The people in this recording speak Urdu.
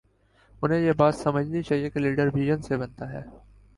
انہیں یہ بات سمجھنی چاہیے کہ لیڈر وژن سے بنتا ہے۔